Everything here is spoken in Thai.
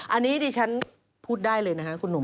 อันนี้ดิฉันพูดได้เลยนะคะคุณหนุ่ม